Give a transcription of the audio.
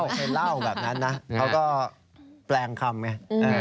เคยเล่าแบบนั้นนะเขาก็แปลงคำไง